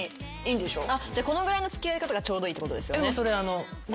じゃあこのぐらいの付き合い方がちょうどいいってことですよね。